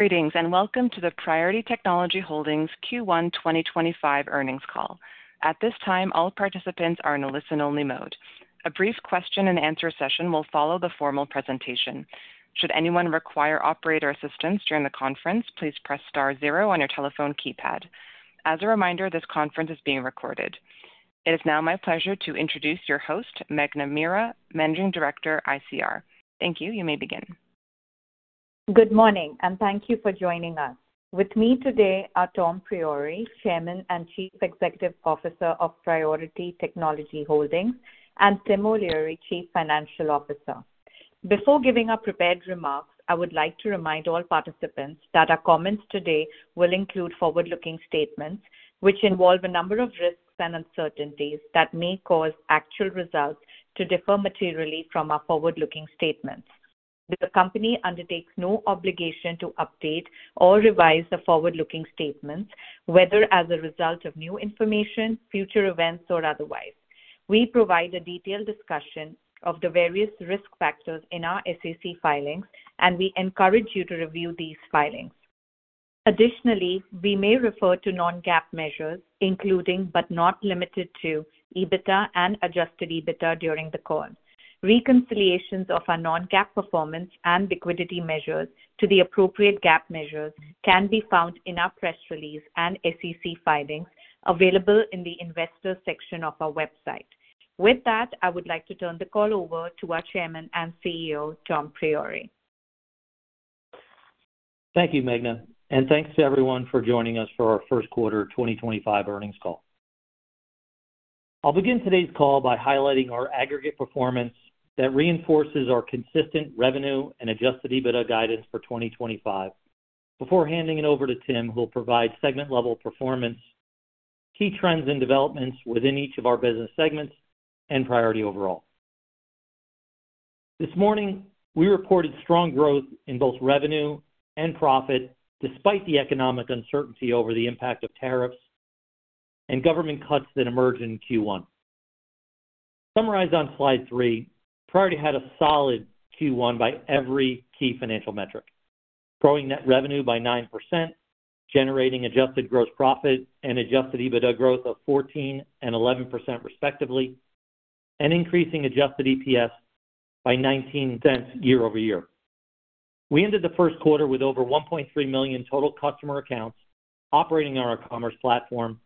Greetings and welcome to the Priority Technology Holdings Q1 2025 Earnings Call. At this time, all participants are in a listen-only mode. A brief question-and-answer session will follow the formal presentation. Should anyone require operator assistance during the conference, please press star zero on your telephone keypad. As a reminder, this conference is being recorded. It is now my pleasure to introduce your host, Meghan Amira, Managing Director, ICR. Thank you. You may begin. Good morning, and thank you for joining us. With me today are Tom Priore, Chairman and Chief Executive Officer of Priority Technology Holdings, and Tim O'Leary, Chief Financial Officer. Before giving our prepared remarks, I would like to remind all participants that our comments today will include forward-looking statements which involve a number of risks and uncertainties that may cause actual results to differ materially from our forward-looking statements. The company undertakes no obligation to update or revise the forward-looking statements, whether as a result of new information, future events, or otherwise. We provide a detailed discussion of the various risk factors in our SEC filings, and we encourage you to review these filings. Additionally, we may refer to non-GAAP measures, including, but not limited to, EBITDA and adjusted EBITDA during the call. Reconciliations of our non-GAAP performance and liquidity measures to the appropriate GAAP measures can be found in our press release and SEC filings available in the Investor section of our website. With that, I would like to turn the call over to our Chairman and CEO, Tom Priore. Thank you, Meghan, and thanks to everyone for joining us for our First Quarter 2025 Earnings Call. I'll begin today's call by highlighting our aggregate performance that reinforces our consistent revenue and adjusted EBITDA guidance for 2025. Before handing it over to Tim, who will provide segment-level performance, key trends and developments within each of our business segments, and Priority overall. This morning, we reported strong growth in both revenue and profit despite the economic uncertainty over the impact of tariffs and government cuts that emerged in Q1. Summarized on slide three, Priority had a solid Q1 by every key financial metric, growing net revenue by 9%, generating adjusted gross profit and adjusted EBITDA growth of 14% and 11% respectively, and increasing adjusted EPS by $0.19 year-over-year. We ended the first quarter with over 1.3 million total customer accounts operating on our e-commerce platform,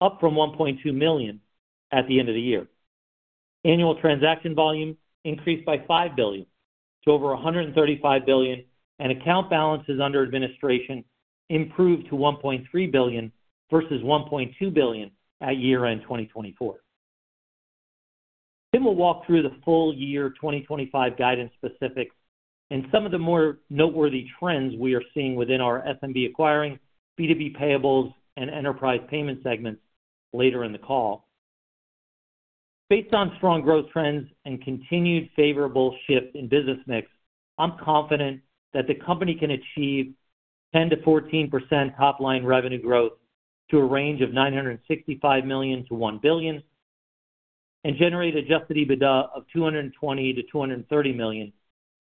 up from 1.2 million at the end of the year. Annual transaction volume increased by $5 billion to over $135 billion, and account balances under administration improved to $1.3 billion versus $1.2 billion at year-end 2024. Tim will walk through the full year 2025 guidance specifics and some of the more noteworthy trends we are seeing within our F&B acquiring, B2B payables, and enterprise payment segments later in the call. Based on strong growth trends and continued favorable shift in business mix, I'm confident that the company can achieve 10%-14% top-line revenue growth to a range of $965 million-$1 billion and generate adjusted EBITDA of $220 million-$230 million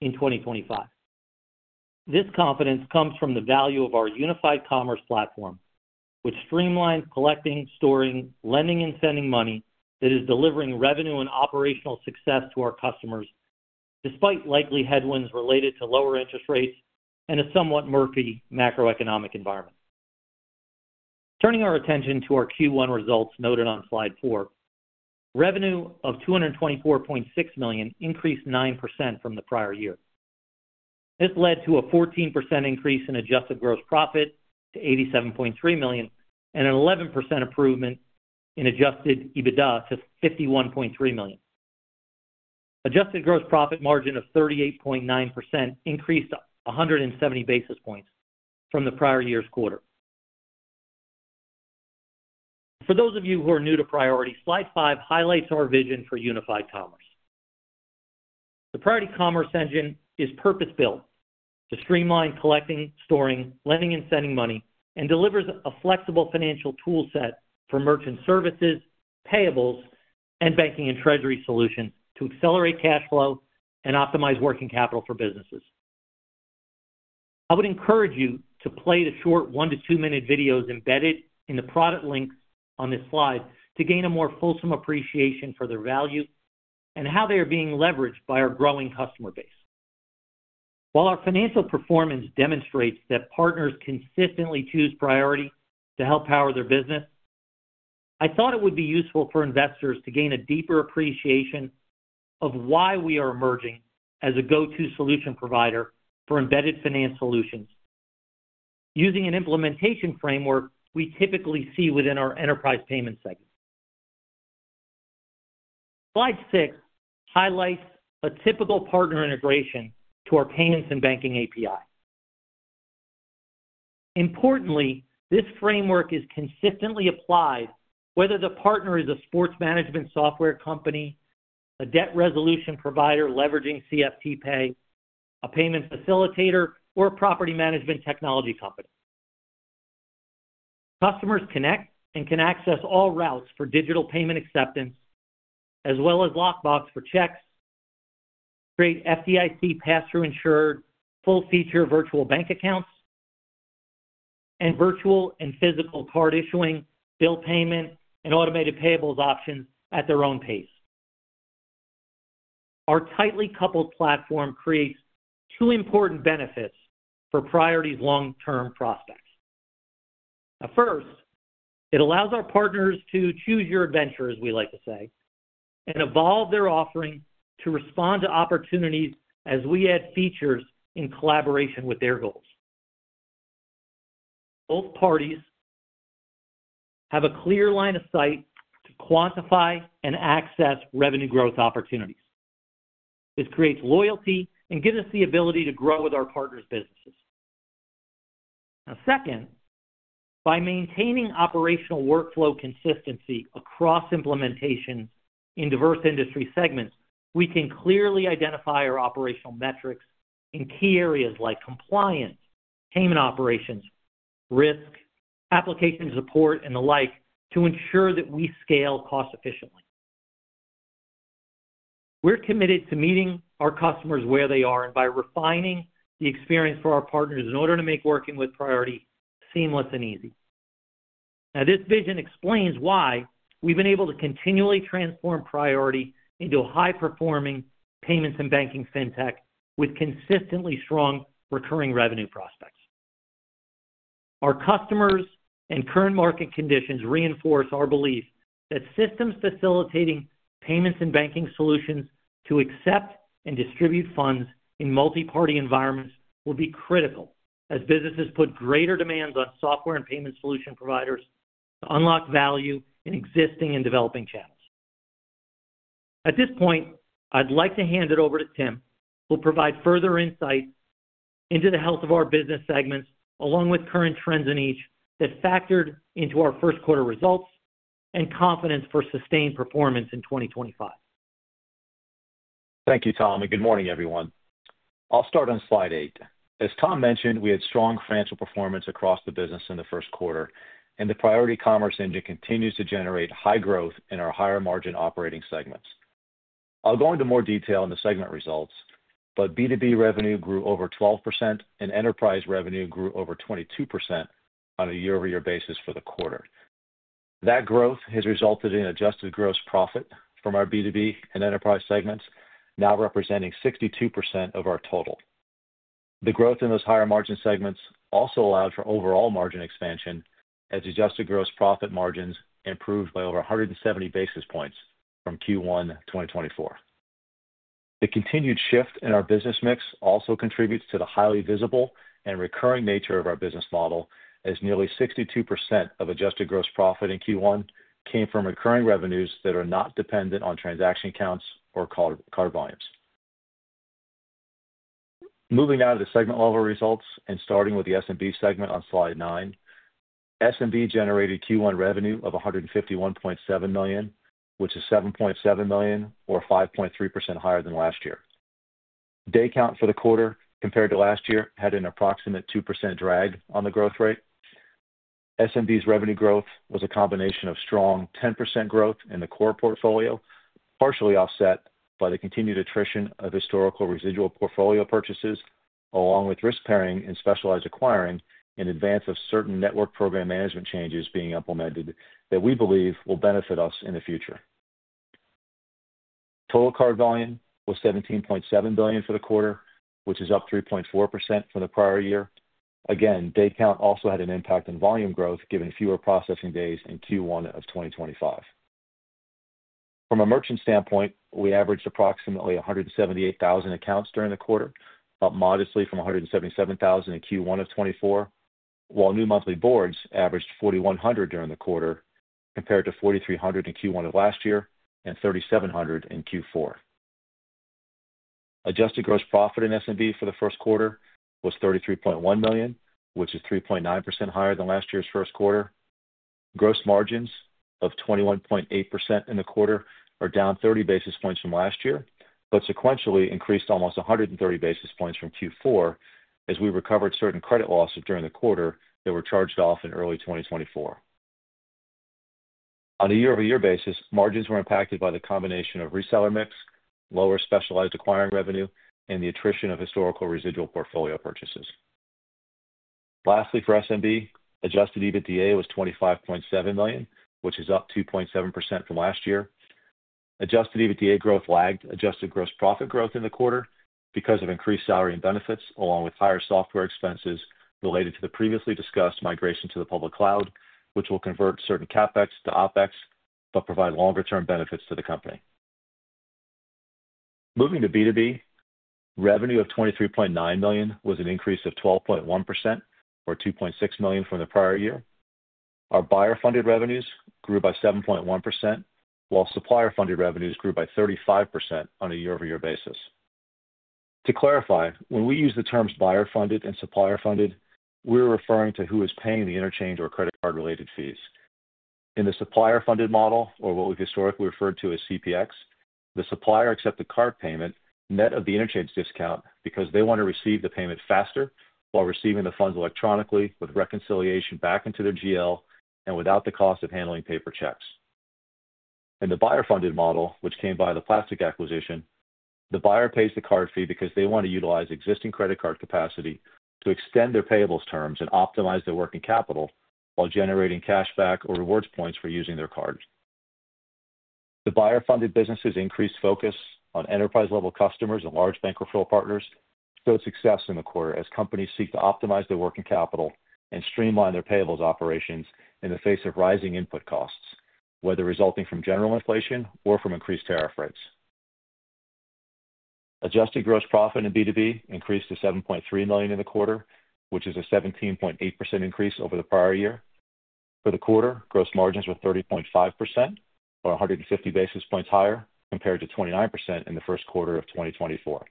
in 2025. This confidence comes from the value of our unified commerce platform, which streamlines collecting, storing, lending, and sending money that is delivering revenue and operational success to our customers despite likely headwinds related to lower interest rates and a somewhat murky macroeconomic environment. Turning our attention to our Q1 results noted on slide four, revenue of $224.6 million increased 9% from the prior year. This led to a 14% increase in adjusted gross profit to $87.3 million and an 11% improvement in adjusted EBITDA to $51.3 million. Adjusted gross profit margin of 38.9% increased 170 basis points from the prior year's quarter. For those of you who are new to Priority, slide five highlights our vision for unified commerce. The Priority commerce engine is purpose-built to streamline collecting, storing, lending, and sending money, and delivers a flexible financial toolset for merchant services, payables, and banking and treasury solutions to accelerate cash flow and optimize working capital for businesses. I would encourage you to play the short one to two-minute videos embedded in the product links on this slide to gain a more fulsome appreciation for their value and how they are being leveraged by our growing customer base. While our financial performance demonstrates that partners consistently choose Priority to help power their business, I thought it would be useful for investors to gain a deeper appreciation of why we are emerging as a go-to solution provider for embedded finance solutions using an implementation framework we typically see within our enterprise payment segment. Slide six highlights a typical partner integration to our payments and banking API. Importantly, this framework is consistently applied whether the partner is a sports management software company, a debt resolution provider leveraging CFT Pay, a payment facilitator, or a property management technology company. Customers connect and can access all routes for digital payment acceptance as well as lockbox for checks, create FDIC pass-through insured full-feature virtual bank accounts, and virtual and physical card issuing, bill payment, and automated payables options at their own pace. Our tightly coupled platform creates two important benefits for Priority's long-term prospects. First, it allows our partners to choose your adventure, as we like to say, and evolve their offering to respond to opportunities as we add features in collaboration with their goals. Both parties have a clear line of sight to quantify and access revenue growth opportunities. This creates loyalty and gives us the ability to grow with our partners' businesses. Now, second, by maintaining operational workflow consistency across implementations in diverse industry segments, we can clearly identify our operational metrics in key areas like compliance, payment operations, risk, application support, and the like to ensure that we scale cost-efficiently. We're committed to meeting our customers where they are and by refining the experience for our partners in order to make working with Priority seamless and easy. Now, this vision explains why we've been able to continually transform Priority into a high-performing payments and banking fintech with consistently strong recurring revenue prospects. Our customers and current market conditions reinforce our belief that systems facilitating payments and banking solutions to accept and distribute funds in multi-party environments will be critical as businesses put greater demands on software and payment solution providers to unlock value in existing and developing channels. At this point, I'd like to hand it over to Tim, who will provide further insight into the health of our business segments along with current trends in each that factored into our first quarter results and confidence for sustained performance in 2025. Thank you, Tom, and good morning, everyone. I'll start on slide eight. As Tom mentioned, we had strong financial performance across the business in the first quarter, and the Priority commerce engine continues to generate high growth in our higher-margin operating segments. I'll go into more detail in the segment results, but B2B revenue grew over 12% and enterprise revenue grew over 22% on a year-over-year basis for the quarter. That growth has resulted in adjusted gross profit from our B2B and enterprise segments now representing 62% of our total. The growth in those higher-margin segments also allowed for overall margin expansion as adjusted gross profit margins improved by over 170 basis points from Q1 2024. The continued shift in our business mix also contributes to the highly visible and recurring nature of our business model as nearly 62% of adjusted gross profit in Q1 came from recurring revenues that are not dependent on transaction counts or card volumes. Moving out of the segment-level results and starting with the S&B segment on slide nine, S&B generated Q1 revenue of $151.7 million, which is $7.7 million or 5.3% higher than last year. Day count for the quarter compared to last year had an approximate 2% drag on the growth rate. S&B's revenue growth was a combination of strong 10% growth in the core portfolio, partially offset by the continued attrition of historical residual portfolio purchases along with risk-paring and specialized acquiring in advance of certain network program management changes being implemented that we believe will benefit us in the future. Total card volume was $17.7 billion for the quarter, which is up 3.4% from the prior year. Again, day count also had an impact on volume growth, giving fewer processing days in Q1 of 2025. From a merchant standpoint, we averaged approximately 178,000 accounts during the quarter, up modestly from 177,000 in Q1 of 2024, while new monthly boards averaged 4,100 during the quarter compared to 4,300 in Q1 of last year and 3,700 in Q4. Adjusted gross profit in S&B for the first quarter was $33.1 million, which is 3.9% higher than last year's first quarter. Gross margins of 21.8% in the quarter are down 30 basis points from last year, but sequentially increased almost 130 basis points from Q4 as we recovered certain credit losses during the quarter that were charged off in early 2024. On a year-over-year basis, margins were impacted by the combination of reseller mix, lower specialized acquiring revenue, and the attrition of historical residual portfolio purchases. Lastly, for S&B, adjusted EBITDA was $25.7 million, which is up 2.7% from last year. Adjusted EBITDA growth lagged adjusted gross profit growth in the quarter because of increased salary and benefits along with higher software expenses related to the previously discussed migration to the public cloud, which will convert certain CapEx to OpEx, but provide longer-term benefits to the company. Moving to B2B, revenue of $23.9 million was an increase of 12.1% or $2.6 million from the prior year. Our buyer-funded revenues grew by 7.1%, while supplier-funded revenues grew by 35% on a year-over-year basis. To clarify, when we use the terms buyer-funded and supplier-funded, we're referring to who is paying the interchange or credit card-related fees. In the supplier-funded model, or what we've historically referred to as CPX, the supplier accepted card payment net of the interchange discount because they want to receive the payment faster while receiving the funds electronically with reconciliation back into their GL and without the cost of handling paper checks. In the buyer-funded model, which came via the Plastiq acquisition, the buyer pays the card fee because they want to utilize existing credit card capacity to extend their payables terms and optimize their working capital while generating cash back or rewards points for using their card. The buyer-funded business has increased focus on enterprise-level customers and large bank referral partners to its success in the quarter as companies seek to optimize their working capital and streamline their payables operations in the face of rising input costs, whether resulting from general inflation or from increased tariff rates. Adjusted gross profit in B2B increased to $7.3 million in the quarter, which is a 17.8% increase over the prior year. For the quarter, gross margins were 30.5% or 150 basis points higher compared to 29% in the first quarter of 2024.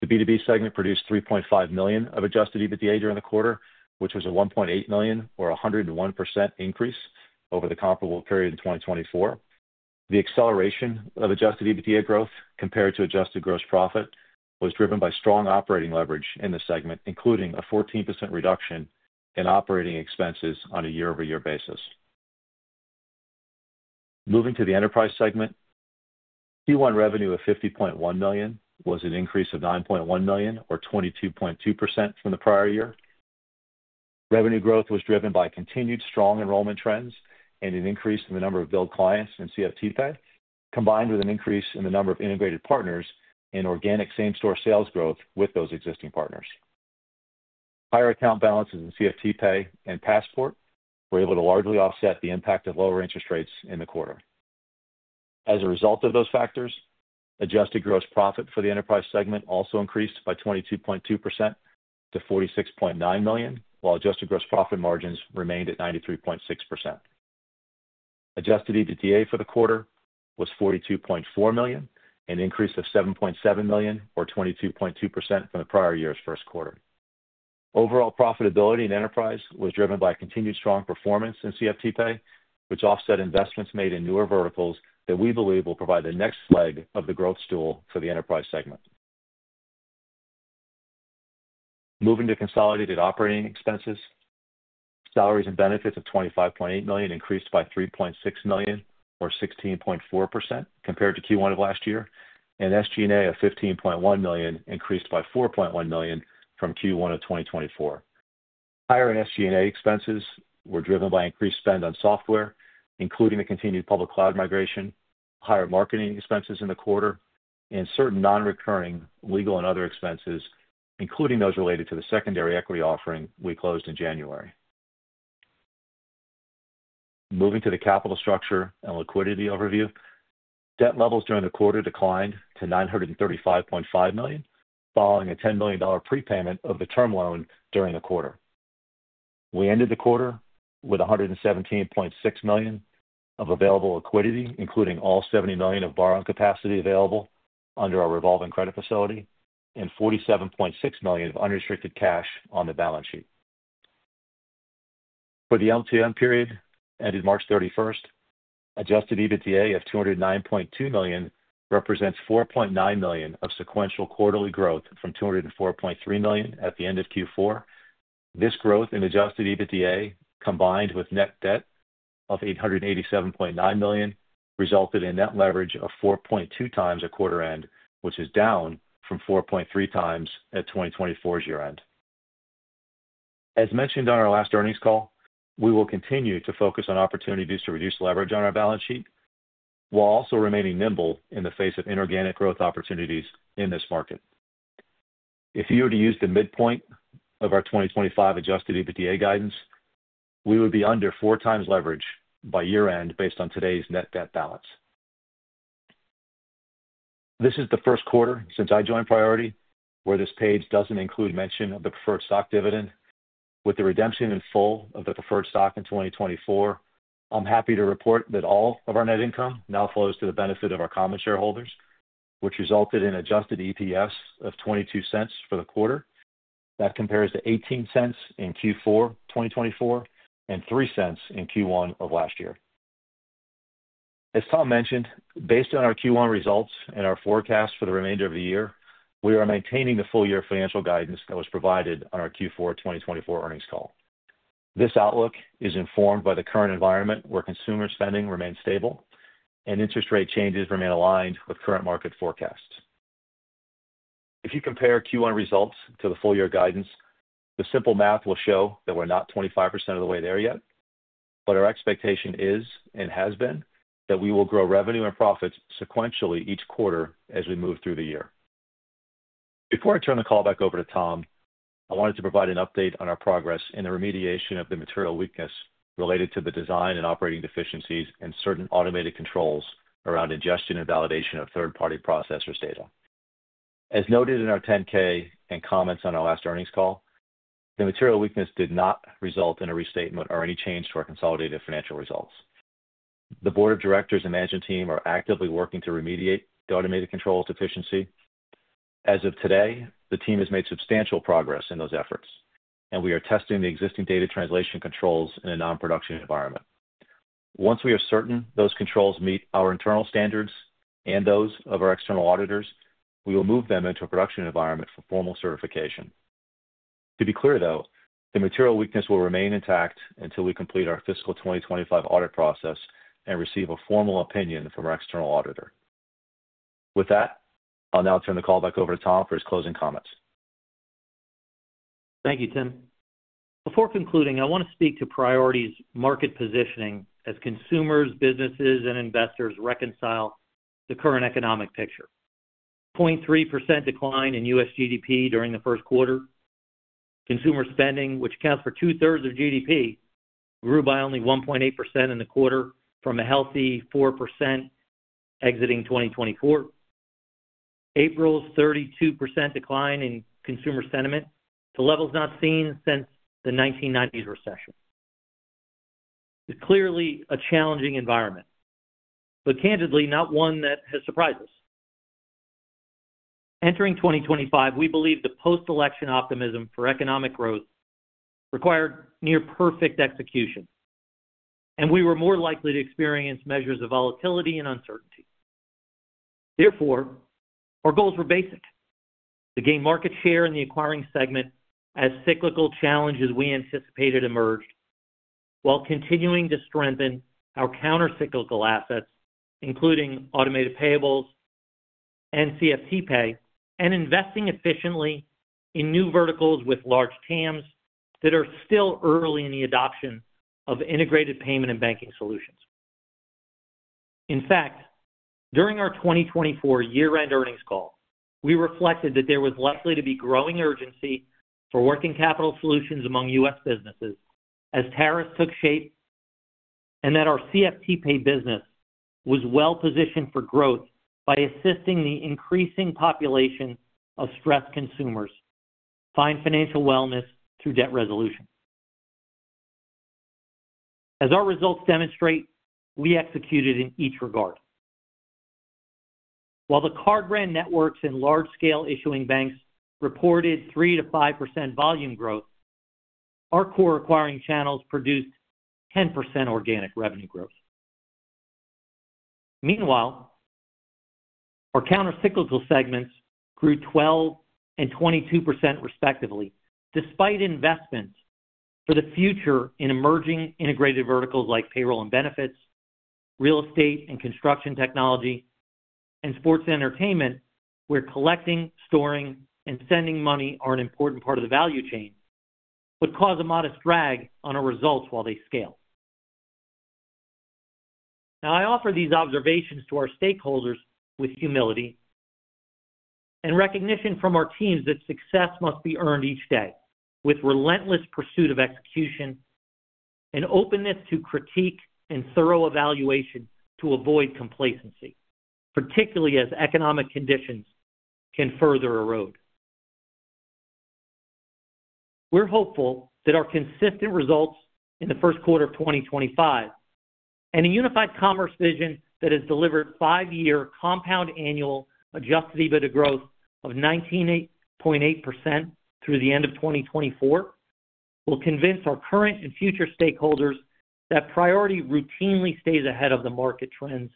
The B2B segment produced $3.5 million of adjusted EBITDA during the quarter, which was a $1.8 million or 101% increase over the comparable period in 2024. The acceleration of adjusted EBITDA growth compared to adjusted gross profit was driven by strong operating leverage in the segment, including a 14% reduction in operating expenses on a year-over-year basis. Moving to the enterprise segment, Q1 revenue of $50.1 million was an increase of $9.1 million or 22.2% from the prior year. Revenue growth was driven by continued strong enrollment trends and an increase in the number of billed clients in CFT Pay, combined with an increase in the number of integrated partners and organic same-store sales growth with those existing partners. Higher account balances in CFT Pay and Passport were able to largely offset the impact of lower interest rates in the quarter. As a result of those factors, adjusted gross profit for the enterprise segment also increased by 22.2% to $46.9 million, while adjusted gross profit margins remained at 93.6%. Adjusted EBITDA for the quarter was $42.4 million, an increase of $7.7 million or 22.2% from the prior year's first quarter. Overall profitability in enterprise was driven by continued strong performance in CFT Pay, which offset investments made in newer verticals that we believe will provide the next leg of the growth stool for the enterprise segment. Moving to consolidated operating expenses, salaries and benefits of $25.8 million increased by $3.6 million or 16.4% compared to Q1 of last year, and SG&A of $15.1 million increased by $4.1 million from Q1 of 2024. Higher SG&A expenses were driven by increased spend on software, including the continued public cloud migration, higher marketing expenses in the quarter, and certain non-recurring legal and other expenses, including those related to the secondary equity offering we closed in January. Moving to the capital structure and liquidity overview, debt levels during the quarter declined to $935.5 million following a $10 million prepayment of the term loan during the quarter. We ended the quarter with $117.6 million of available liquidity, including all $70 million of borrowing capacity available under our revolving credit facility and $47.6 million of unrestricted cash on the balance sheet. For the LTM period ended March 31st, adjusted EBITDA of $209.2 million represents $4.9 million of sequential quarterly growth from $204.3 million at the end of Q4. This growth in adjusted EBITDA combined with net debt of $887.9 million resulted in net leverage of 4.2 times at quarter end, which is down from 4.3 times at 2024's year-end. As mentioned on our last earnings call, we will continue to focus on opportunities to reduce leverage on our balance sheet while also remaining nimble in the face of inorganic growth opportunities in this market. If you were to use the midpoint of our 2025 adjusted EBITDA guidance, we would be under four times leverage by year-end based on today's net debt balance. This is the first quarter since I joined Priority where this page doesn't include mention of the preferred stock dividend. With the redemption in full of the preferred stock in 2024, I'm happy to report that all of our net income now flows to the benefit of our common shareholders, which resulted in adjusted EPS of $0.22 for the quarter. That compares to $0.18 in Q4 2024 and $0.03 in Q1 of last year. As Tom mentioned, based on our Q1 results and our forecast for the remainder of the year, we are maintaining the full year financial guidance that was provided on our Q4 2024 earnings call. This outlook is informed by the current environment where consumer spending remains stable and interest rate changes remain aligned with current market forecasts. If you compare Q1 results to the full year guidance, the simple math will show that we're not 25% of the way there yet, but our expectation is and has been that we will grow revenue and profits sequentially each quarter as we move through the year. Before I turn the call back over to Tom, I wanted to provide an update on our progress in the remediation of the material weakness related to the design and operating deficiencies in certain automated controls around ingestion and validation of third-party processors' data. As noted in our 10-K and comments on our last earnings call, the material weakness did not result in a restatement or any change to our consolidated financial results. The board of directors and management team are actively working to remediate the automated controls deficiency. As of today, the team has made substantial progress in those efforts, and we are testing the existing data translation controls in a non-production environment. Once we are certain those controls meet our internal standards and those of our external auditors, we will move them into a production environment for formal certification. To be clear, though, the material weakness will remain intact until we complete our fiscal 2025 audit process and receive a formal opinion from our external auditor. With that, I'll now turn the call back over to Tom for his closing comments. Thank you, Tim. Before concluding, I want to speak to Priority's market positioning as consumers, businesses, and investors reconcile the current economic picture. 0.3% decline in U.S. GDP during the first quarter. Consumer spending, which accounts for two-thirds of GDP, grew by only 1.8% in the quarter from a healthy 4% exiting 2024. April's 32% decline in consumer sentiment to levels not seen since the 1990s recession. It's clearly a challenging environment, but candidly, not one that has surprised us. Entering 2025, we believe the post-election optimism for economic growth required near-perfect execution, and we were more likely to experience measures of volatility and uncertainty. Therefore, our goals were basic: to gain market share in the acquiring segment as cyclical challenges we anticipated emerged while continuing to strengthen our counter-cyclical assets, including automated payables and CFT Pay, and investing efficiently in new verticals with large TAMs that are still early in the adoption of integrated payment and banking solutions. In fact, during our 2024 Year-End Earnings Call, we reflected that there was likely to be growing urgency for working capital solutions among U.S. businesses as tariffs took shape and that our CFT Pay business was well-positioned for growth by assisting the increasing population of stressed consumers find financial wellness through debt resolution. As our results demonstrate, we executed in each regard. While the card brand networks and large-scale issuing banks reported 3-5% volume growth, our core acquiring channels produced 10% organic revenue growth. Meanwhile, our counter-cyclical segments grew 12% and 22% respectively, despite investments for the future in emerging integrated verticals like payroll and benefits, real estate and construction technology, and sports and entertainment, where collecting, storing, and sending money are an important part of the value chain, but cause a modest drag on our results while they scale. Now, I offer these observations to our stakeholders with humility and recognition from our teams that success must be earned each day with relentless pursuit of execution and openness to critique and thorough evaluation to avoid complacency, particularly as economic conditions can further erode. We're hopeful that our consistent results in the first quarter of 2025 and a unified commerce vision that has delivered five-year compound annual adjusted EBITDA growth of 19.8% through the end of 2024 will convince our current and future stakeholders that Priority routinely stays ahead of the market trends,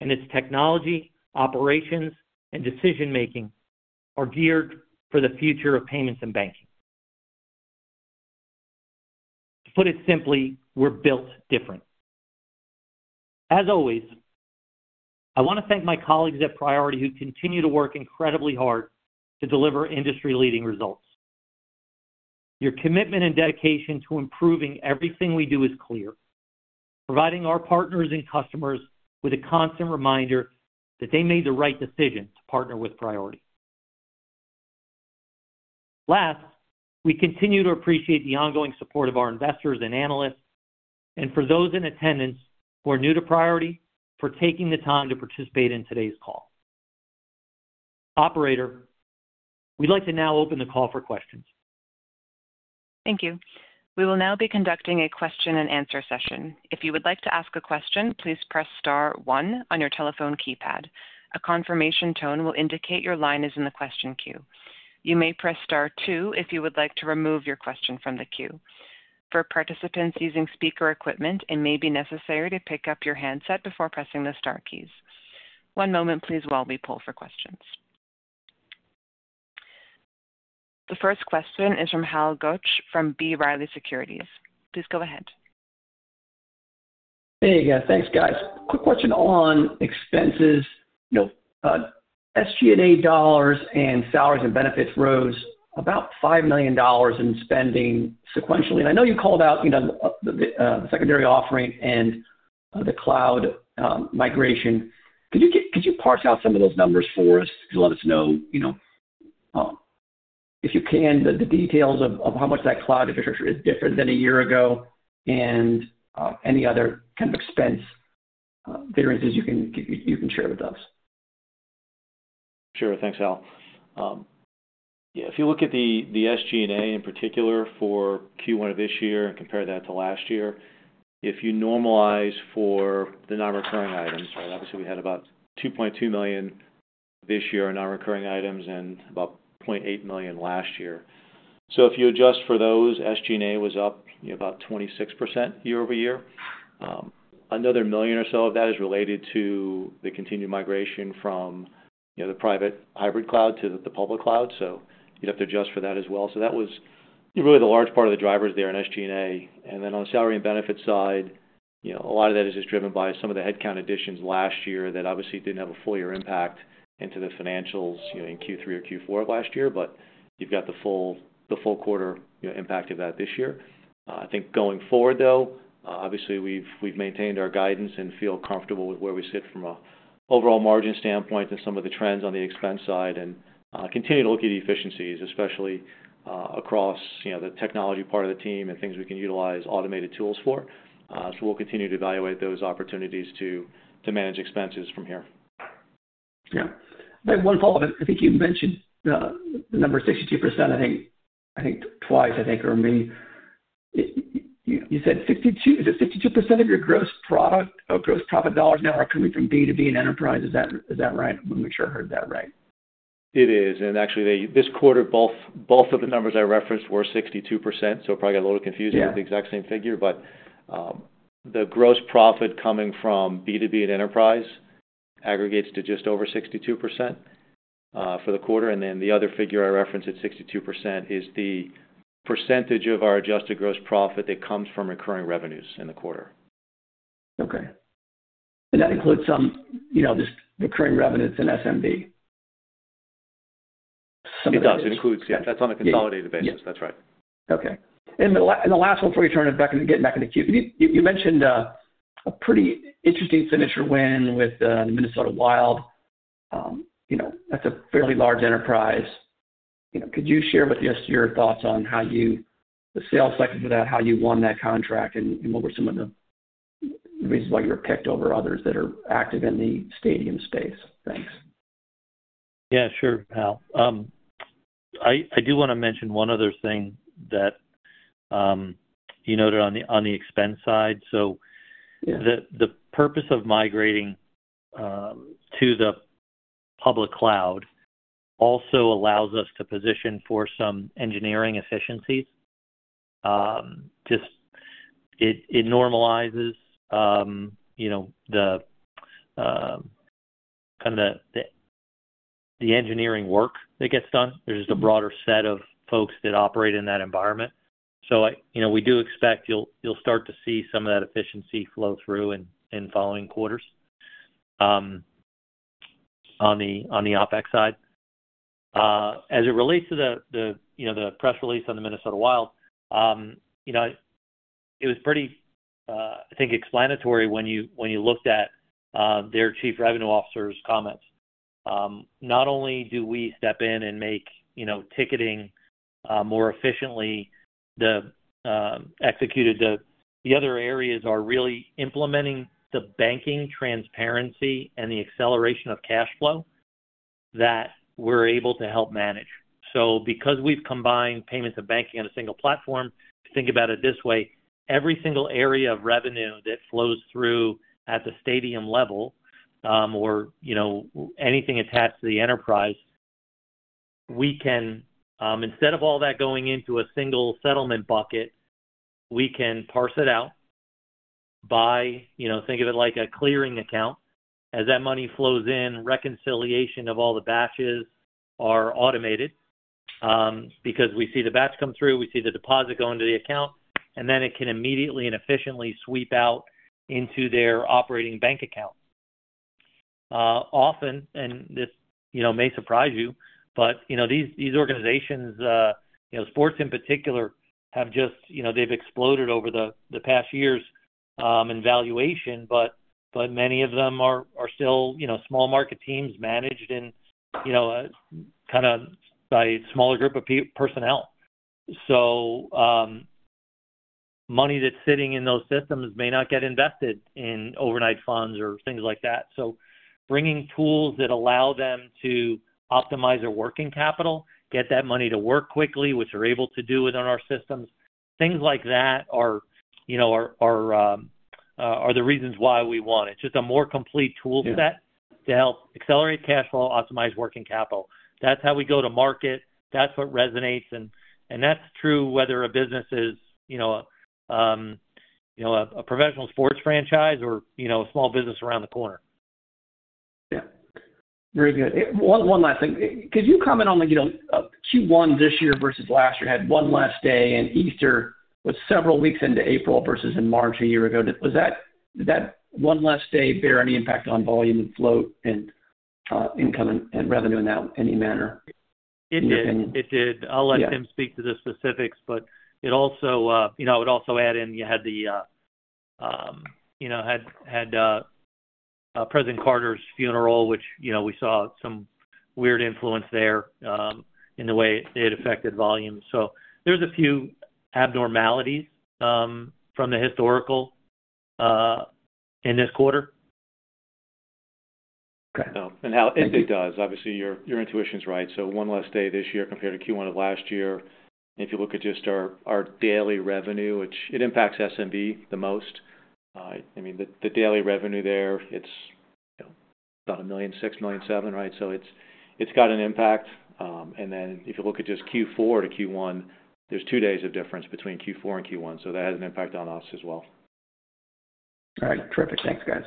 and its technology, operations, and decision-making are geared for the future of payments and banking. To put it simply, we're built different. As always, I want to thank my colleagues at Priority who continue to work incredibly hard to deliver industry-leading results. Your commitment and dedication to improving everything we do is clear, providing our partners and customers with a constant reminder that they made the right decision to partner with Priority. Last, we continue to appreciate the ongoing support of our investors and analysts, and for those in attendance who are new to Priority, for taking the time to participate in today's call. Operator, we'd like to now open the call for questions. Thank you. We will now be conducting a question-and-answer session. If you would like to ask a question, please press star one on your telephone keypad. A confirmation tone will indicate your line is in the question queue. You may press star two if you would like to remove your question from the queue. For participants using speaker equipment, it may be necessary to pick up your handset before pressing the Star keys. One moment, please, while we pull for questions. The first question is from Hal Goetsch from B. Riley Securities. Please go ahead. There you go. Thanks, guys. Quick question on expenses. SG&A dollars and salaries and benefits rose about $5 million in spending sequentially. I know you called out the secondary offering and the cloud migration. Could you parse out some of those numbers for us? Could you let us know, if you can, the details of how much that cloud infrastructure is different than a year ago and any other kind of expense variances you can share with us? Sure. Thanks, Hal. Yeah. If you look at the SG&A in particular for Q1 of this year and compare that to last year, if you normalize for the non-recurring items, right, obviously, we had about $2.2 million this year in non-recurring items and about $0.8 million last year. If you adjust for those, SG&A was up about 26% year over year. Another million or so of that is related to the continued migration from the private hybrid cloud to the public cloud. You'd have to adjust for that as well. That was really the large part of the drivers there in SG&A. On the salary and benefits side, a lot of that is just driven by some of the headcount additions last year that obviously did not have a full year impact into the financials in Q3 or Q4 of last year, but you have the full quarter impact of that this year. I think going forward, though, obviously, we've maintained our guidance and feel comfortable with where we sit from an overall margin standpoint and some of the trends on the expense side and continue to look at the efficiencies, especially across the technology part of the team and things we can utilize automated tools for. We'll continue to evaluate those opportunities to manage expenses from here. Yeah. One follow-up. I think you mentioned the number 62%, I think twice, or maybe you said 62% of your gross profit dollars now are coming from B2B and enterprise. Is that right? I want to make sure I heard that right. It is. And actually, this quarter, both of the numbers I referenced were 62%, so it probably got a little confusing with the exact same figure. The gross profit coming from B2B and enterprise aggregates to just over 62% for the quarter. The other figure I referenced at 62% is the percentage of our adjusted gross profit that comes from recurring revenues in the quarter. Okay. That includes some recurring revenues in SMB? It does. It includes, yeah. That is on a consolidated basis. That is right. Okay. The last one before we turn it back and get back in the queue, you mentioned a pretty interesting signature win with Minnesota Wild. That is a fairly large enterprise. Could you share with us your thoughts on how you, the sales cycle for that, how you won that contract, and what were some of the reasons why you were picked over others that are active in the stadium space? Thanks. Yeah. Sure, Hal. I do want to mention one other thing that you noted on the expense side. The purpose of migrating to the public cloud also allows us to position for some engineering efficiencies. It normalizes the kind of the engineering work that gets done. There is just a broader set of folks that operate in that environment. We do expect you will start to see some of that efficiency flow through in following quarters on the OpEx side. As it relates to the press release on the Minnesota Wild, it was pretty, I think, explanatory when you looked at their Chief Revenue Officer's comments. Not only do we step in and make ticketing more efficiently executed, the other areas are really implementing the banking transparency and the acceleration of cash flow that we are able to help manage. Because we've combined payments and banking on a single platform, think about it this way: every single area of revenue that flows through at the stadium level or anything attached to the enterprise, we can, instead of all that going into a single settlement bucket, parse it out by—think of it like a clearing account. As that money flows in, reconciliation of all the batches is automated because we see the batch come through, we see the deposit go into the account, and then it can immediately and efficiently sweep out into their operating bank account. Often, and this may surprise you, but these organizations, sports in particular, have just—they've exploded over the past years in valuation, but many of them are still small market teams managed in kind of by a smaller group of personnel. Money that's sitting in those systems may not get invested in overnight funds or things like that. Bringing tools that allow them to optimize their working capital, get that money to work quickly, which we're able to do within our systems, things like that are the reasons why we want it. Just a more complete toolset to help accelerate cash flow, optimize working capital. That's how we go to market. That's what resonates. That's true whether a business is a professional sports franchise or a small business around the corner. Yeah. Very good. One last thing. Could you comment on Q1 this year versus last year? Had one last day and Easter was several weeks into April versus in March a year ago. Did that one last day bear any impact on volume and float and income and revenue in any manner, in your opinion? It did. It did. I'll let him speak to the specifics, but I would also add in you had President Carter's funeral, which we saw some weird influence there in the way it affected volume. There are a few abnormalities from the historical in this quarter. Okay. It does. Obviously, your intuition's right. One last day this year compared to Q1 of last year. If you look at just our daily revenue, which impacts SMB the most. I mean, the daily revenue there, it's about $1.6 million, $1.7 million, right? It has an impact. If you look at just Q4 to Q1, there are two days of difference between Q4 and Q1. That has an impact on us as well. All right. Terrific. Thanks, guys.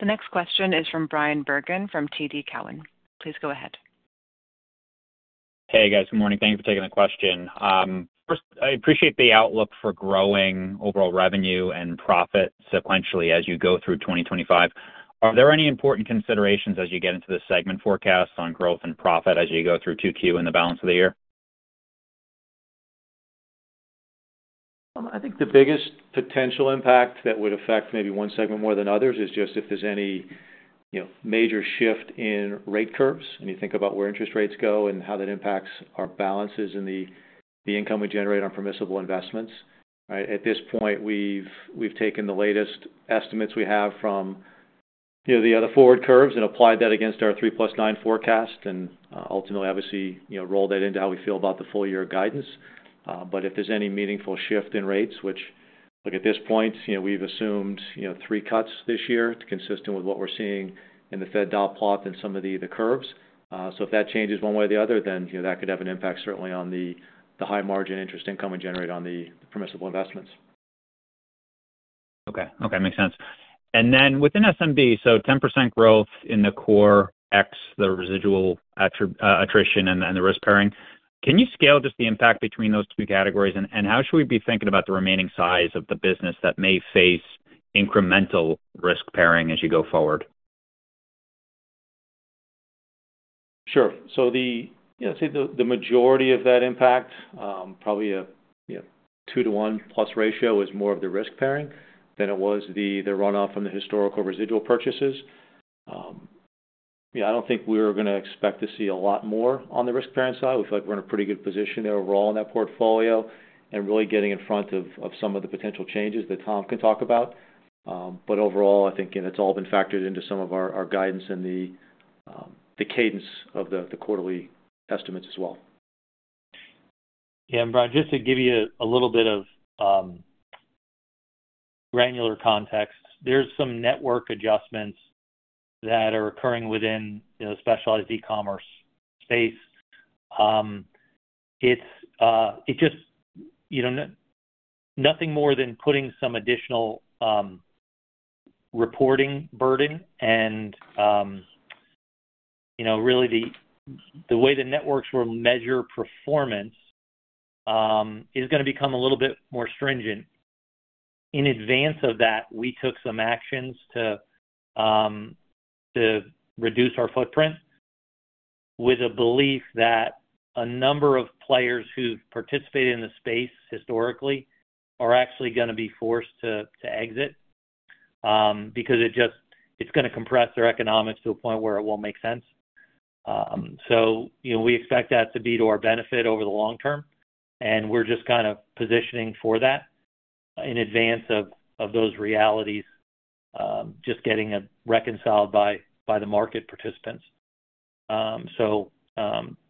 The next question is from Bryan Bergin from TD Cowen. Please go ahead. Hey, guys. Good morning. Thank you for taking the question. First, I appreciate the outlook for growing overall revenue and profit sequentially as you go through 2025. Are there any important considerations as you get into the segment forecasts on growth and profit as you go through Q2 and the balance of the year? I think the biggest potential impact that would affect maybe one segment more than others is just if there is any major shift in rate curves. You think about where interest rates go and how that impacts our balances and the income we generate on permissible investments, right? At this point, we have taken the latest estimates we have from the other forward curves and applied that against our 3 plus 9 forecast and ultimately, obviously, roll that into how we feel about the full year guidance. If there is any meaningful shift in rates, which at this point, we have assumed three cuts this year consistent with what we are seeing in the Fed dot plot and some of the curves. If that changes one way or the other, then that could have an impact certainly on the high margin interest income we generate on the permissible investments. Okay. Okay. Makes sense. Within SMB, 10% growth in the core excluding the residual attrition and the risk-bearing, can you scale just the impact between those two categories? How should we be thinking about the remaining size of the business that may face incremental risk-bearing as you go forward? Sure. I would say the majority of that impact, probably a 2 to 1 plus ratio, is more of the risk-bearing than it was the runoff from the historical residual purchases. Yeah. I don't think we're going to expect to see a lot more on the risk-bearing side. We feel like we're in a pretty good position overall in that portfolio and really getting in front of some of the potential changes that Tom can talk about. Overall, I think it's all been factored into some of our guidance and the cadence of the quarterly estimates as well. Yeah. Brian, just to give you a little bit of granular context, there's some network adjustments that are occurring within the specialized e-commerce space. It's just nothing more than putting some additional reporting burden. Really, the way the networks will measure performance is going to become a little bit more stringent. In advance of that, we took some actions to reduce our footprint with a belief that a number of players who've participated in the space historically are actually going to be forced to exit because it's going to compress their economics to a point where it won't make sense. We expect that to be to our benefit over the long term. We're just kind of positioning for that in advance of those realities just getting reconciled by the market participants.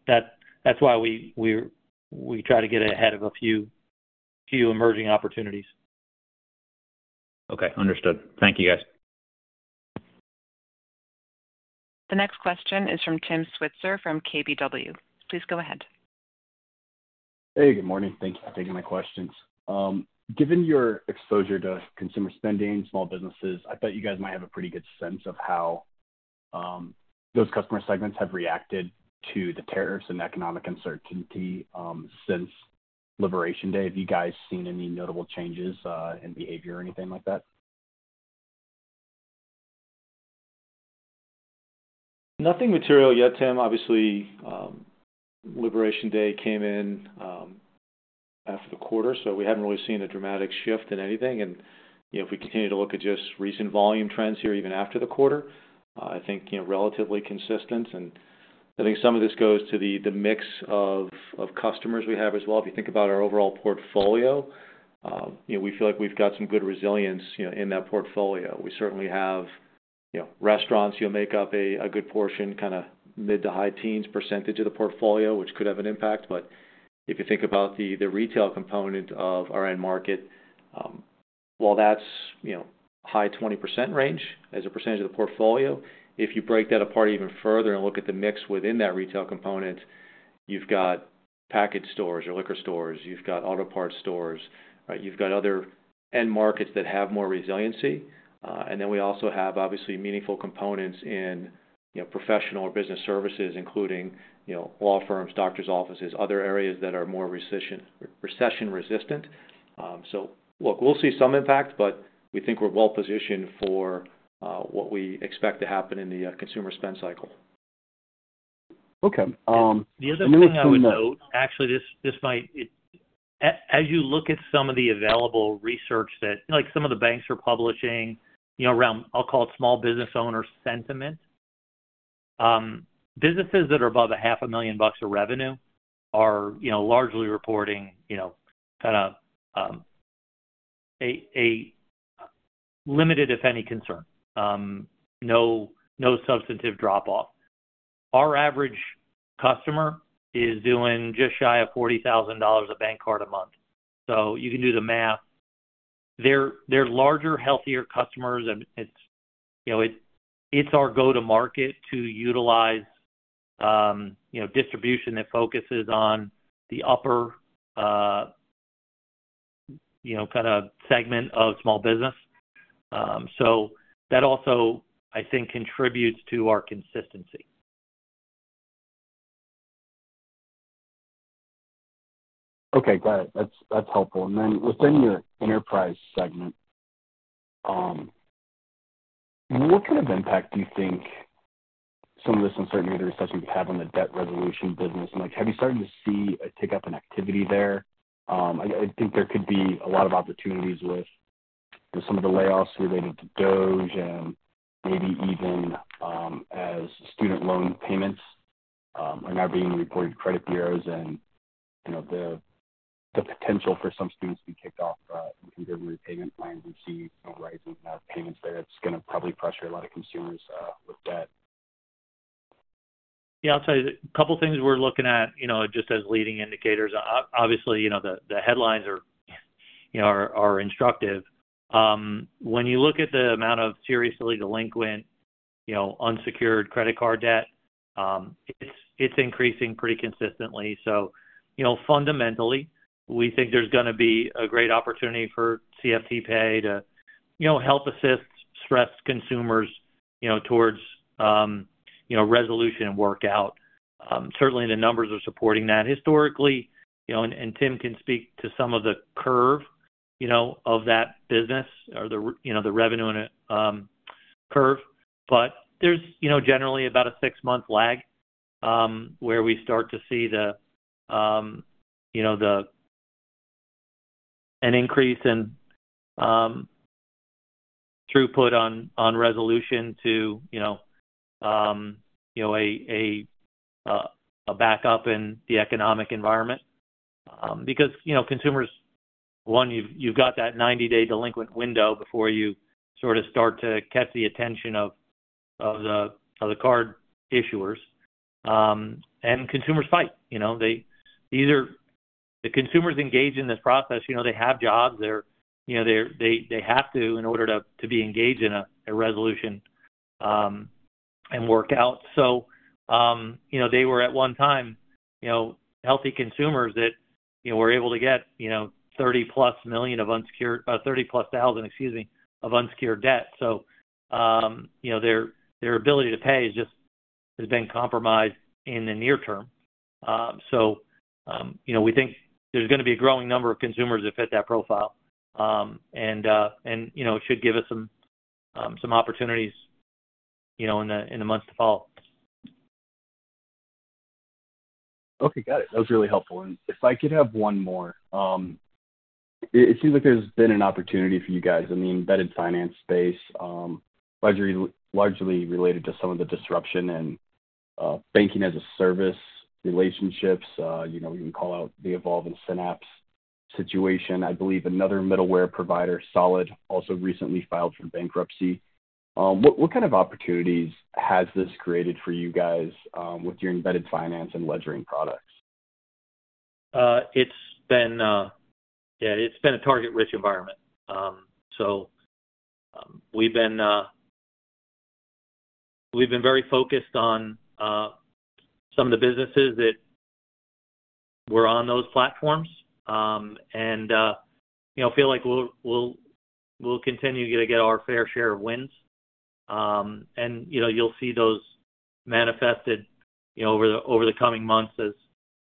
That's why we try to get ahead of a few emerging opportunities. Okay. Understood. Thank you, guys. The next question is from Tim Switzer from KBW. Please go ahead. Hey. Good morning. Thank you for taking my questions. Given your exposure to consumer spending, small businesses, I bet you guys might have a pretty good sense of how those customer segments have reacted to the tariffs and economic uncertainty since Liberation Day. Have you guys seen any notable changes in behavior or anything like that? Nothing material yet, Tim. Obviously, Liberation Day came in after the quarter, so we haven't really seen a dramatic shift in anything. If we continue to look at just recent volume trends here, even after the quarter, I think relatively consistent. I think some of this goes to the mix of customers we have as well. If you think about our overall portfolio, we feel like we've got some good resilience in that portfolio. We certainly have restaurants who make up a good portion, kind of mid to high teens percentage of the portfolio, which could have an impact. If you think about the retail component of our end market, while that's high 20% range as a percentage of the portfolio, if you break that apart even further and look at the mix within that retail component, you've got package stores or liquor stores. You've got auto parts stores, right? You've got other end markets that have more resiliency. We also have, obviously, meaningful components in professional or business services, including law firms, doctor's offices, other areas that are more recession-resistant. Look, we'll see some impact, but we think we're well-positioned for what we expect to happen in the consumer spend cycle. Okay. The other thing I would note, actually, this might, as you look at some of the available research that some of the banks are publishing around, I'll call it small business owner sentiment, businesses that are above $500,000 of revenue are largely reporting kind of a limited, if any, concern. No substantive drop-off. Our average customer is doing just shy of $40,000 a bank card a month. You can do the math. They're larger, healthier customers. It is our go-to-market to utilize distribution that focuses on the upper kind of segment of small business. That also, I think, contributes to our consistency. Okay. Got it. That's helpful. Within your enterprise segment, what kind of impact do you think some of this uncertainty or the recession could have on the debt resolution business? Have you started to see a tick-up in activity there? I think there could be a lot of opportunities with some of the layoffs related to DOGE and maybe even as student loan payments are now being reported to credit bureaus and the potential for some students to be kicked off and can get a repayment plan and see rising payments there. It's going to probably frustrate a lot of consumers with debt. Yeah. I'll tell you, a couple of things we're looking at just as leading indicators. Obviously, the headlines are instructive. When you look at the amount of seriously delinquent, unsecured credit card debt, it's increasing pretty consistently. Fundamentally, we think there's going to be a great opportunity for CFT Pay to help assist stressed consumers towards resolution and work out. Certainly, the numbers are supporting that. Historically, and Tim can speak to some of the curve of that business or the revenue curve, but there's generally about a six-month lag where we start to see an increase in throughput on resolution to a backup in the economic environment. Because consumers, one, you've got that 90-day delinquent window before you sort of start to catch the attention of the card issuers. Consumers fight. The consumers engage in this process. They have jobs. They have to in order to be engaged in a resolution and work out. They were, at one time, healthy consumers that were able to get $30,000 of unsecured debt. Their ability to pay has been compromised in the near term. We think there's going to be a growing number of consumers that fit that profile. It should give us some opportunities in the months to follow. Okay. Got it. That was really helpful. If I could have one more, it seems like there's been an opportunity for you guys in the embedded finance space, largely related to some of the disruption in banking as a service relationships. We can call out the evolving Synapse situation. I believe another middleware provider, Solid, also recently filed for bankruptcy. What kind of opportunities has this created for you guys with your embedded finance and ledgering products? Yeah. It's been a target-rich environment. We've been very focused on some of the businesses that were on those platforms and feel like we'll continue to get our fair share of wins. You'll see those manifested over the coming months as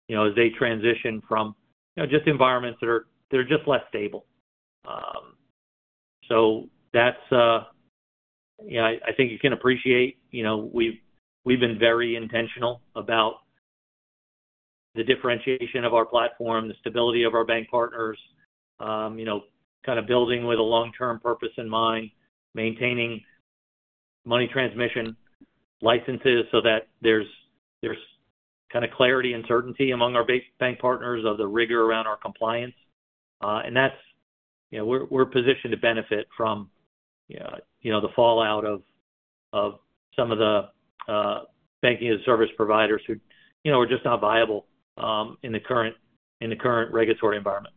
they transition from environments that are just less stable. I think you can appreciate we've been very intentional about the differentiation of our platform, the stability of our bank partners, kind of building with a long-term purpose in mind, maintaining money transmission licenses so that there's kind of clarity and certainty among our bank partners of the rigor around our compliance. We're positioned to benefit from the fallout of some of the banking as a service providers who are just not viable in the current regulatory environment.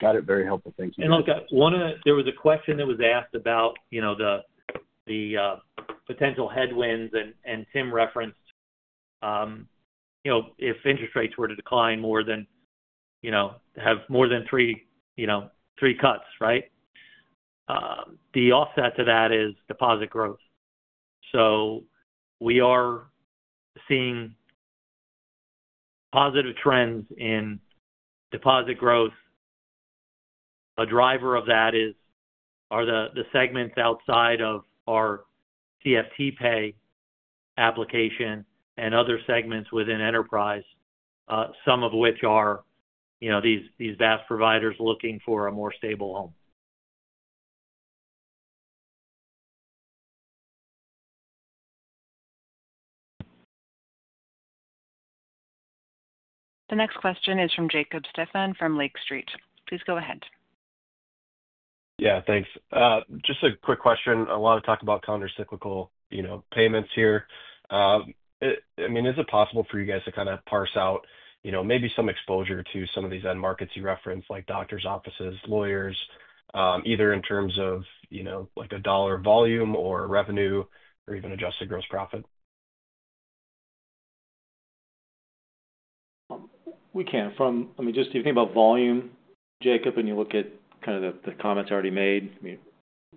Got it. Very helpful. Thank you. Look, there was a question that was asked about the potential headwinds. Tim referenced if interest rates were to decline more than have more than three cuts, right? The offset to that is deposit growth. We are seeing positive trends in deposit growth. A driver of that is the segments outside of our CFT Pay application and other segments within enterprise, some of which are these vast providers looking for a more stable home. The next question is from Jacob Stephan from Lake Street. Please go ahead. Yeah. Thanks. Just a quick question. A lot of talk about countercyclical payments here. I mean, is it possible for you guys to kind of parse out maybe some exposure to some of these end markets you referenced, like doctor's offices, lawyers, either in terms of a dollar volume or revenue or even adjusted gross profit? We can. I mean, just if you think about volume, Jacob, and you look at kind of the comments already made, I mean,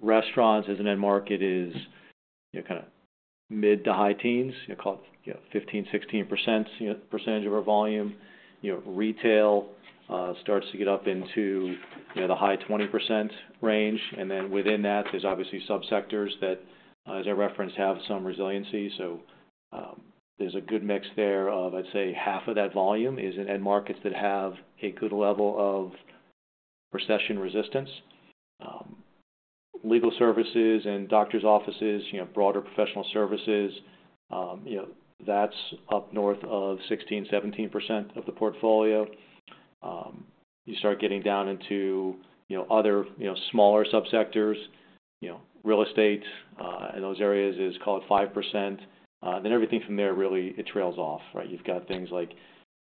restaurants as an end market is kind of mid to high teens, call it 15-16% of our volume. Retail starts to get up into the high 20% range. Within that, there's obviously subsectors that, as I referenced, have some resiliency. There's a good mix there of, I'd say, half of that volume is in end markets that have a good level of recession resistance. Legal services and doctor's offices, broader professional services, that's up north of 16-17% of the portfolio. You start getting down into other smaller subsectors. Real estate in those areas is, call it, 5%. Everything from there, really, it trails off, right? You've got things like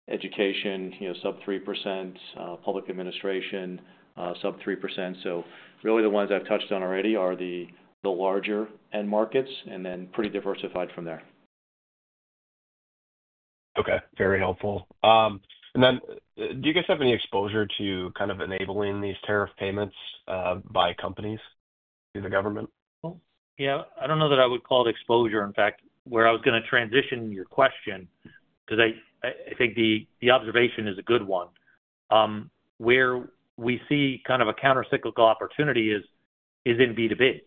education, sub 3%, public administration, sub 3%. The ones I've touched on already are the larger end markets and then pretty diversified from there. Okay. Very helpful. Do you guys have any exposure to kind of enabling these tariff payments by companies through the government? Yeah. I don't know that I would call it exposure. In fact, where I was going to transition your question because I think the observation is a good one. Where we see kind of a countercyclical opportunity is in B2B,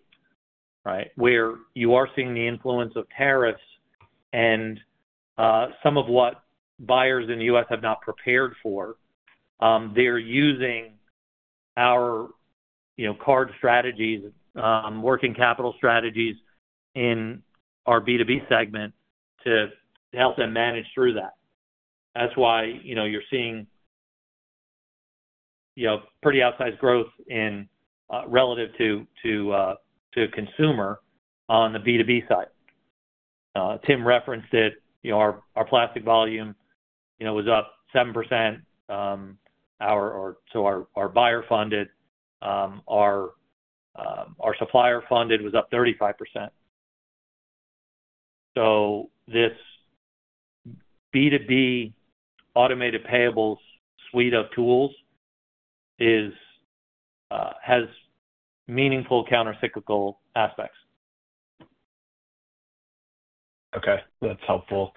right? Where you are seeing the influence of tariffs and some of what buyers in the U.S. have not prepared for. They're using our card strategies, working capital strategies in our B2B segment to help them manage through that. That's why you're seeing pretty outsized growth relative to consumer on the B2B side. Tim referenced that our plastic volume was up 7%. Our buyer-funded, our supplier-funded was up 35%. This B2B automated payables suite of tools has meaningful countercyclical aspects. Okay. That's helpful.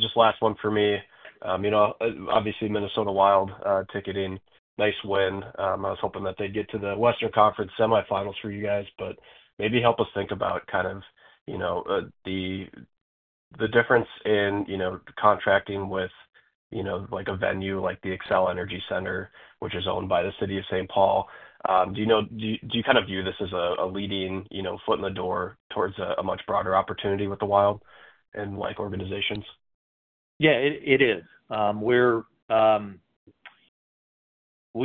Just last one for me. Obviously, Minnesota Wild ticketing, nice win. I was hoping that they'd get to the Western Conference semifinals for you guys, but maybe help us think about kind of the difference in contracting with a venue like the Xcel Energy Center, which is owned by the City of St. Paul. Do you kind of view this as a leading foot in the door towards a much broader opportunity with the Wild and like organizations? Yeah, it is. We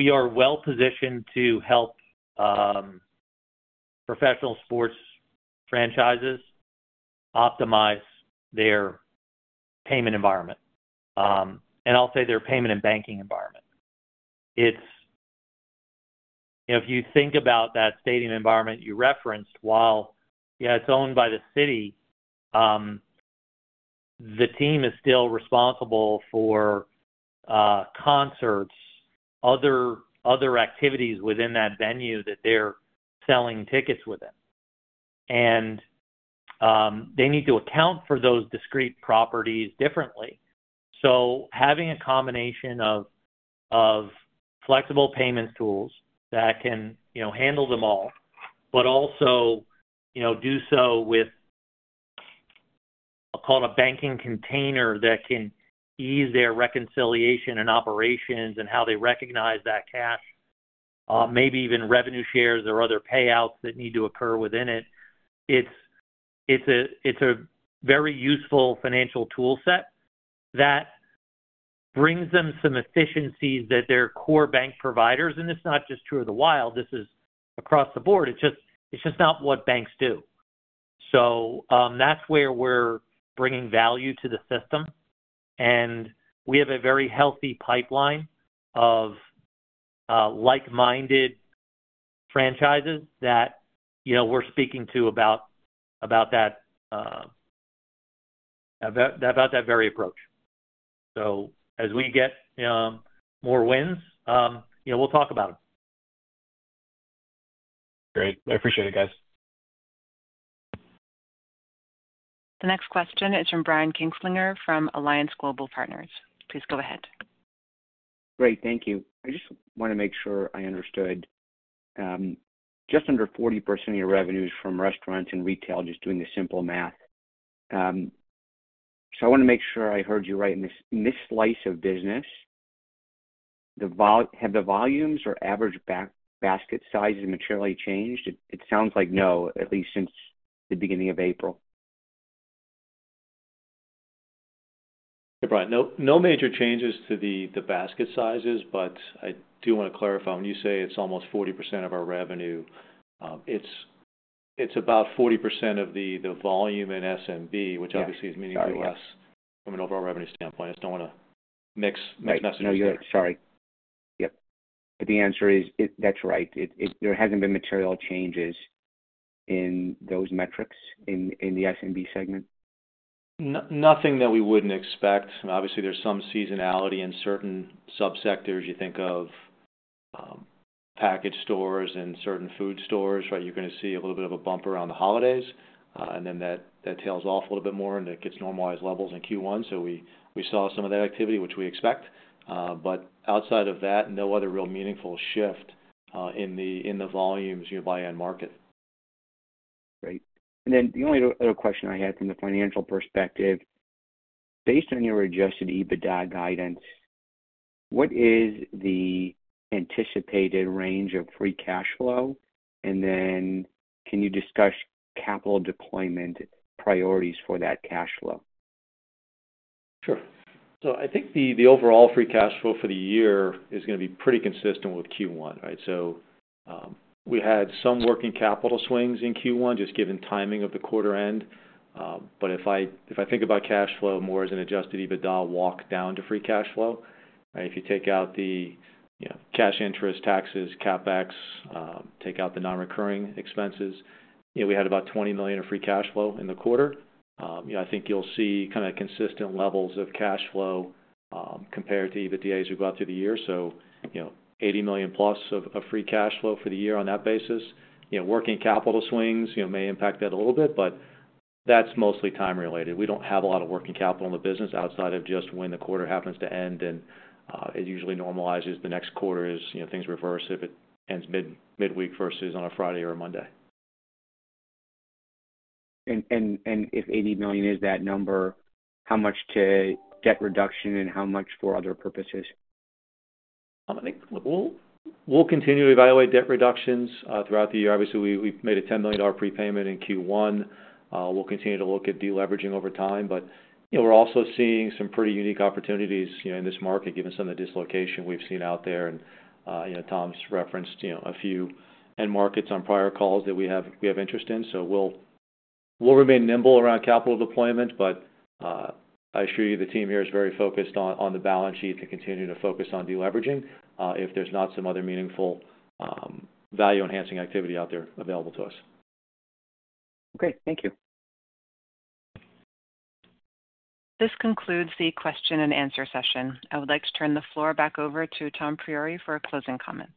are well-positioned to help professional sports franchises optimize their payment environment. And I'll say their payment and banking environment. If you think about that stadium environment you referenced, while it's owned by the city, the team is still responsible for concerts, other activities within that venue that they're selling tickets within. And they need to account for those discrete properties differently. Having a combination of flexible payments tools that can handle them all, but also do so with, I'll call it, a banking container that can ease their reconciliation and operations and how they recognize that cash, maybe even revenue shares or other payouts that need to occur within it. It is a very useful financial toolset that brings them some efficiencies that their core bank providers—and it is not just true of the Wild. This is across the board. It is just not what banks do. That is where we are bringing value to the system. We have a very healthy pipeline of like-minded franchises that we are speaking to about that very approach. As we get more wins, we will talk about them. Great. I appreciate it, guys. The next question is from Brian Kinstlinger from Alliance Global Partners. Please go ahead. Great. Thank you. I just want to make sure I understood. Just under 40% of your revenue is from restaurants and retail, just doing the simple math. I want to make sure I heard you right. In this slice of business, have the volumes or average basket sizes materially changed? It sounds like no, at least since the beginning of April. No major changes to the basket sizes, but I do want to clarify. When you say it's almost 40% of our revenue, it's about 40% of the volume in SMB, which obviously is meaningfully less from an overall revenue standpoint. I just don't want to mix messages. No, you're sorry. Yep. The answer is that's right. There hasn't been material changes in those metrics in the SMB segment. Nothing that we wouldn't expect. Obviously, there's some seasonality in certain subsectors. You think of package stores and certain food stores, right? You're going to see a little bit of a bump around the holidays. That tails off a little bit more, and it gets to normalized levels in Q1. We saw some of that activity, which we expect. Outside of that, no other real meaningful shift in the volumes by end market. Great. The only other question I had from the financial perspective, based on your adjusted EBITDA guidance, what is the anticipated range of free cash flow? Can you discuss capital deployment priorities for that cash flow? Sure. I think the overall free cash flow for the year is going to be pretty consistent with Q1, right? We had some working capital swings in Q1 just given timing of the quarter end. If I think about cash flow more as an adjusted EBITDA walk down to free cash flow, if you take out the cash interest, taxes, CapEx, take out the non-recurring expenses, we had about $20 million of free cash flow in the quarter. I think you'll see kind of consistent levels of cash flow compared to EBITDAs we've got through the year. $80 million plus of free cash flow for the year on that basis. Working capital swings may impact that a little bit, but that's mostly time-related. We don't have a lot of working capital in the business outside of just when the quarter happens to end. It usually normalizes the next quarter as things reverse if it ends midweek versus on a Friday or a Monday. If $80 million is that number, how much debt reduction and how much for other purposes? I think we'll continue to evaluate debt reductions throughout the year. Obviously, we've made a $10 million prepayment in Q1. We'll continue to look at deleveraging over time. We're also seeing some pretty unique opportunities in this market, given some of the dislocation we've seen out there. Tom's referenced a few end markets on prior calls that we have interest in. We'll remain nimble around capital deployment. I assure you the team here is very focused on the balance sheet and continuing to focus on deleveraging if there's not some other meaningful value-enhancing activity out there available to us. Okay. Thank you. his concludes the question and answer session. I would like to turn the floor back over to Tom Priore for closing comments.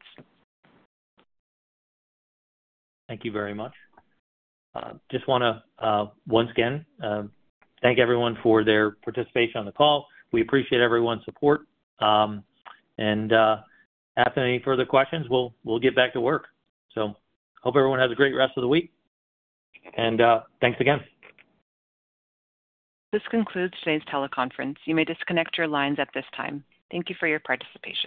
Thank you very much. Just want to once again thank everyone for their participation on the call. We appreciate everyone's support. After any further questions, we'll get back to work. Hope everyone has a great rest of the week, and thanks again. This concludes today's teleconference. You may disconnect your lines at this time. Thank you for your participation.